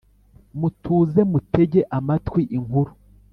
mutuze mutege amatwi inkuru